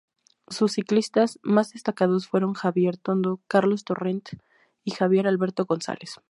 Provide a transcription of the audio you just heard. Sus ciclistas más destacados fueron Xavier Tondo, Carlos Torrent y Javier Alberto González.